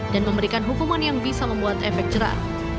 dan memberikan hukuman yang bisa membuat efek jerah